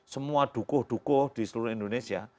semua dukuh dukuh di seluruh indonesia